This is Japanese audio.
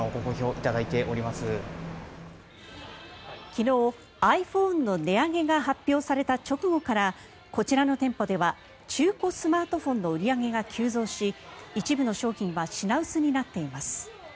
昨日、ｉＰｈｏｎｅの値上げが発表された直後からこちらの店舗では中古スマートフォンの売り上げが急増し一部の商品は品薄になっています。